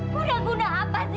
mudah mudahan apa sih